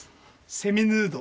セミヌード。